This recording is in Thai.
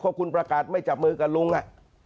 เพราะคุณประกาศไม่จับมือกับลุง